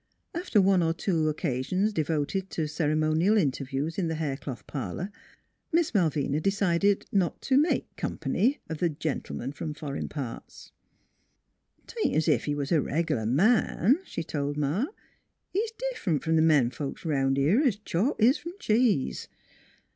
After one or two occasions devoted to cer emonial interviews in the hair cloth parlor, Miss Malvina decided not " t' make comp'ny " of the gentleman from foreign parts. NEIGHBORS 133 " 'Tain't as if he was a reg'lar man" she told Ma; "he's 's differ'nt from th' men folks 'round here 's chalk is from cheese."